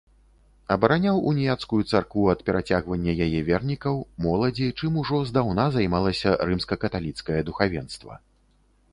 Абараняў уніяцкую царкву ад перацягвання яе вернікаў, моладзі, чым ужо здаўна займалася рымска-каталіцкае духавенства.